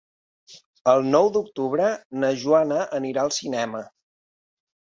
El nou d'octubre na Joana anirà al cinema.